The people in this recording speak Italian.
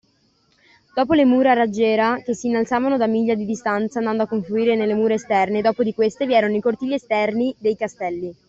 Dopo le mura a raggiera, che si innalzavano da miglia di distanza andando a confluire nelle mura esterne, e dopo di queste, vi erano i cortili esterni dei castelli.